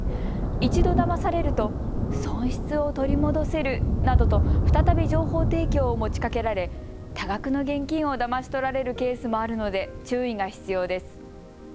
一度だまされると損失を取り戻せるなどと再び情報提供を持ちかけられ多額の現金をだまし取られるケースもあるので注意が必要です。